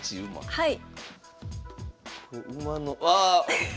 はい。